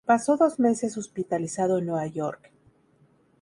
Pasó dos meses hospitalizado en Nueva York.